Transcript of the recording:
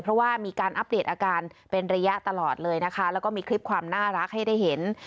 เพราะว่ามีการอัปเดตอาการเป็นระยะตลอดเลยนะคะแล้วก็มีคลิปความน่ารักให้ได้เห็น